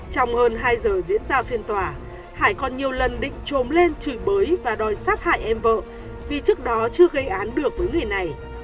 trong hơn hai giờ diễn ra phiên tòa hải còn nhiều lần định chôm lên chửi bới và đòi sát hại em vợ vì trước đó chưa gây án được với người này